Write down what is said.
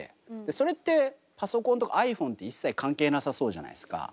それってパソコンとかｉＰｈｏｎｅって一切関係なさそうじゃないですか。